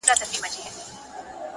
• غلیم کور په کور حلوا وېشل پښتونه..